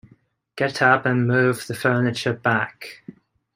Get up and move the furniture back.